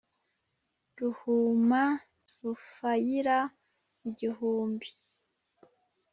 Ruhuma rufayira igihumbi